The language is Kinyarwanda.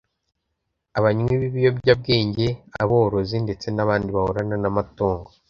abanywi b'ibiyobyabwenge, aborozi ndetse n'abandi bahorana n'amatungo.